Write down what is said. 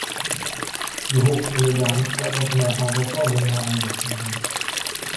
Die Hochschule Darmstadt hat mehrere Vorgängereinrichtungen.